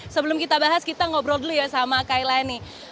sebelum kita bahas kita ngobrol dulu ya sama kailani